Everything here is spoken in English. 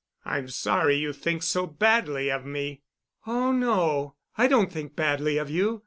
"I'm sorry you think so badly of me." "Oh, no, I don't think badly of you.